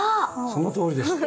そのとおりです。